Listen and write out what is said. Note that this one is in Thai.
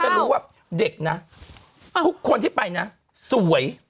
จะรู้ว่าเด็กนะคุณไปน่ะสวย